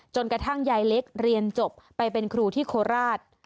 กระทั่งยายเล็กเรียนจบไปเป็นครูที่โคราช